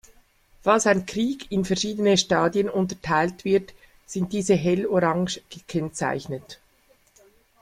Falls ein Krieg in verschiedene Stadien unterteilt wird, sind diese hellorange gekennzeichnet.